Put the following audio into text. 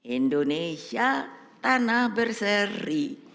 indonesia tanah berseri